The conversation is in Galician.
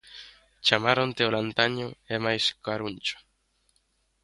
Chamáronte o Lantaño e mais o Caruncho.